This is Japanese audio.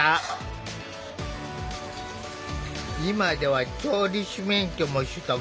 今では調理師免許も取得。